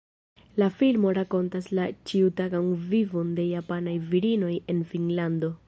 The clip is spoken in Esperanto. La filmo rakontas la ĉiutagan vivon de japanaj virinoj en Finnlando.